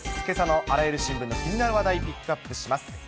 けさのあらゆる新聞の気になる話題、ピックアップします。